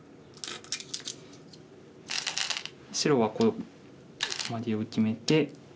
白はこうマゲを決めて。